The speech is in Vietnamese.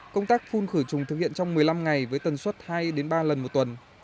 công tác phun khử trùng thực hiện trong một mươi năm ngày với tần suất hai ba lần một tuần